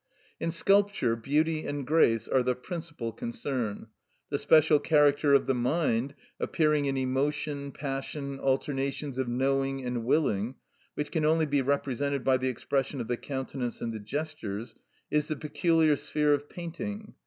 In sculpture, beauty and grace are the principal concern. The special character of the mind, appearing in emotion, passion, alternations of knowing and willing, which can only be represented by the expression of the countenance and the gestures, is the peculiar sphere of painting.